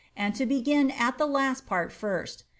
and to begin at the last part first.